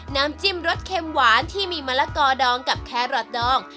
น้ำจิ้มรสเค็มหวานที่มีมะละกอดองกับแครอทดดอง